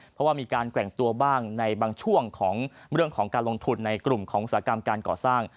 เพราะว่ามีการแกว่งตัวบ้างในบางช่วงของเรื่องของการลงทุนในกลุ่มของอุตสาหกรรมการก่อสร้าง